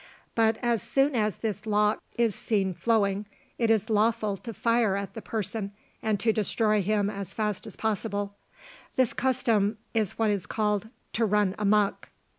But as soon as this lock is seen flowing, it is lawful to fire at the person and to destroy him as fast as possible. This custom is what is called "To run a muck."